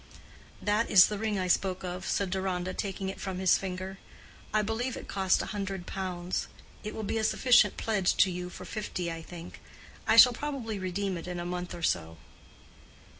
"That is the ring I spoke of," said Deronda, taking it from his finger. "I believe it cost a hundred pounds. It will be a sufficient pledge to you for fifty, I think. I shall probably redeem it in a month or so."